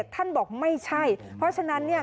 ท่านบอกไม่ใช่เพราะฉะนั้นเนี่ย